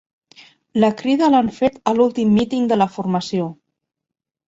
La crida l'han fet a l'últim míting de la formació